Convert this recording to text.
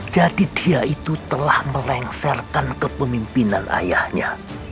jadi dia itu telah melengsarkan kepemimpinan ayahnya